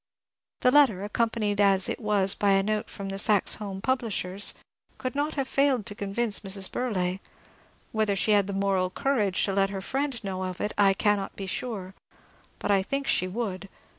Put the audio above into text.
The letter, accompanied as it was by a note from the Saxe Holm publishers, could not have failed to convince Mrs. Burleigh. Whether she had the moral courage to let her friend know of it I cannot be sure, but I think she would.